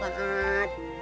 biar aku ambil